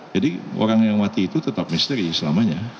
jadi orang yang mati itu tetap misteri selamanya